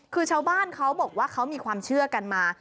คือชาวบ้านเขาบอกว่าเขามีความเชื่อกันมา